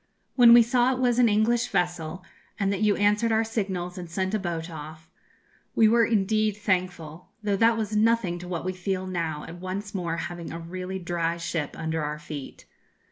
'When we saw it was an English vessel, and that you answered our signals and sent a boat off, we were indeed thankful; though that was nothing to what we feel now at once more having a really dry ship under our feet.